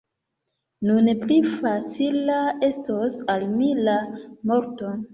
Nun pli facila estos al mi la morto!